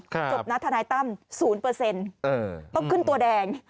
จบนะทนายตั้ม๐ต้องขึ้นตัวแดง